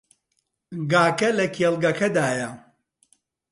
گاکە لە کێڵگەکەدایە.